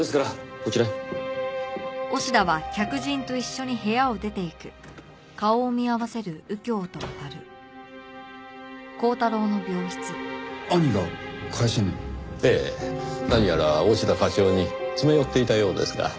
何やら押田課長に詰め寄っていたようですが。